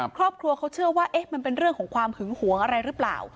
ครอบครัวเขาเชื่อว่ามันเป็นเรื่องของความหึงหวงอะไรหรือเปล่า